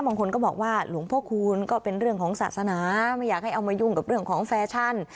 บางคนก็บอกว่าหลวงพ่อคูณก็เป็นเรื่องของศาสนาไม่อยากให้เอามายุ่งกับเรื่องของแฟชั่น